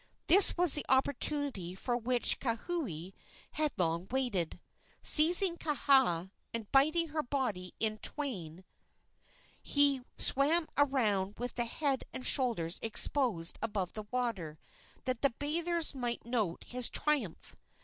This was the opportunity for which Kauhi had long waited. Seizing Kaha, and biting her body in twain, he swam around with the head and shoulders exposed above the water, that the bathers might note his triumph.